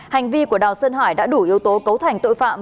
hành vi của đào sơn hải đã đủ yếu tố cấu thành tội phạm